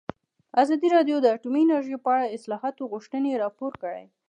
ازادي راډیو د اټومي انرژي په اړه د اصلاحاتو غوښتنې راپور کړې.